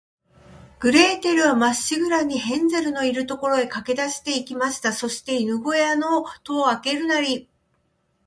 グレーテルは、まっしぐらに、ヘンゼルのいる所へかけだして行きました。そして、犬ごやの戸をあけるなり、